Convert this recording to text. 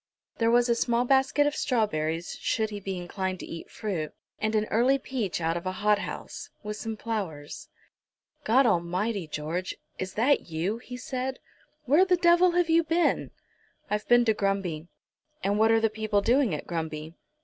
There was a small basket of strawberries, should he be inclined to eat fruit, and an early peach out of a hothouse, with some flowers. "God Almighty, George; is that you?" he said. "Where the devil have you been?" "I've been to Grumby." "And what are the people doing at Grumby?"